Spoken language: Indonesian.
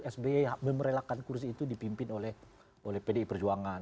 sby memerelakan kursi itu dipimpin oleh pdi perjuangan